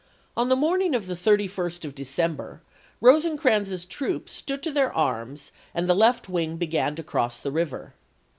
On the morning of the 31st of December Rose crans's troops stood to their arms and the left wing began to cross the river.